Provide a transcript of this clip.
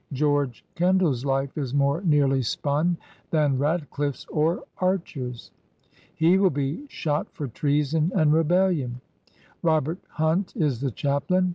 George Ken dall's life is more nearly spun than Ratcliffe's or Archer's. He will be shot for treason and rebellion. Robert Hunt is the chaplain.